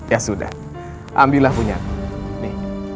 ya sudah ambillah punya nih